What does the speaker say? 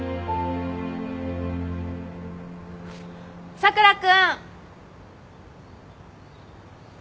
佐倉君！